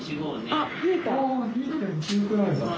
ああ２．９くらいだった。